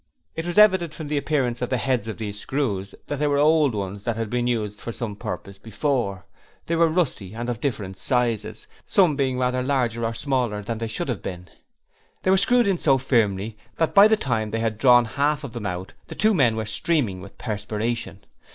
It was evident from the appearance of the beads of these screws that they were old ones that had been used for some purpose before: they were rusty and of different sizes, some being rather larger or smaller, than they should have been. They were screwed in so firmly that by the time they had drawn half of them out the two men were streaming with perspiration.